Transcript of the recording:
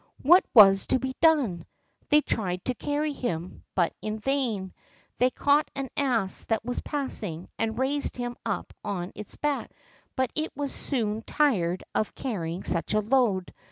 What was to be done? They tried to carry him, but in vain. They caught an ass that was passing, and raised him upon its back; but it was soon tired of carrying such a load.